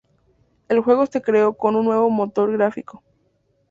El juego se creó con un nuevo motor gráfico.